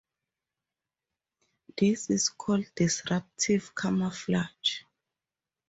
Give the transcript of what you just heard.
This is called disruptive camouflage.